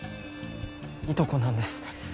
いとこなんです。